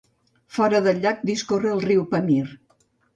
Fora del llac discorre el riu Pamir.